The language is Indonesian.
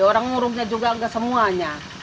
orang ngurumnya juga nggak semuanya